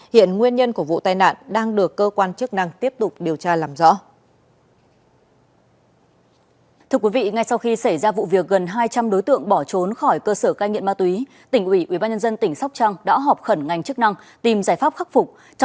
hiện nguyên nhân của vụ tai nạn đang được cơ quan chức năng tiếp tục điều tra làm rõ